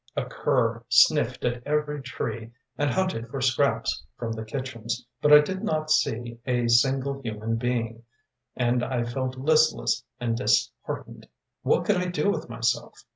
A cur sniffed at every tree and hunted for scraps from the kitchens, but I did not see a single human being, and I felt listless and disheartened. What could I do with myself?